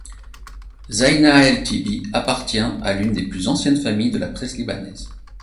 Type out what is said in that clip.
Zeina el Tibi appartient à l’une des plus anciennes familles de la presse libanaise.